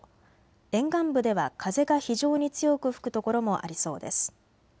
沿岸部では風が非常に強く吹く所もありそうです。